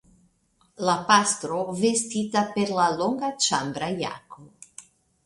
La pastro, vestita per la longa ĉambra jako.